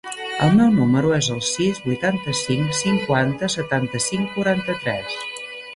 El meu número es el sis, vuitanta-cinc, cinquanta, setanta-cinc, quaranta-tres.